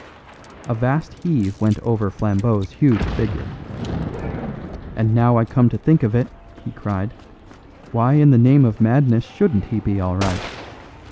A vast heave went over Flambeau's huge figure. "And now I come to think of it," he cried, "why in the name of madness shouldn't he be all right?